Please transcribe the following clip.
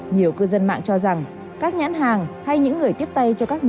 nhiều cư dân mạng cho rằng các nhãn hàng hay những người tiếp tay cho các mv